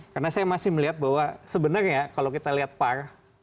karena saya masih melihat bahwa sebenarnya kalau kita lihat par